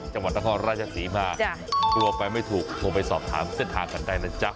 จังหวัดนครราชศรีมากลัวไปไม่ถูกโทรไปสอบถามเส้นทางกันได้นะจ๊ะ